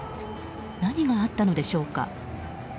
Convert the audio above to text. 何があったのでしょうか。